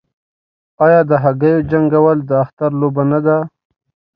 آیا د هګیو جنګول د اختر لوبه نه ده؟